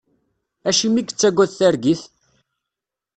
Acimi i yettagad targit?